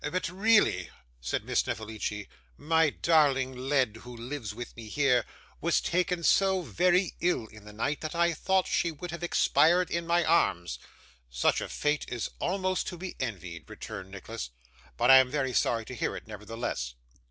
'But really,' said Miss Snevellicci, 'my darling Led, who lives with me here, was taken so very ill in the night that I thought she would have expired in my arms.' 'Such a fate is almost to be envied,' returned Nicholas, 'but I am very sorry to hear it nevertheless.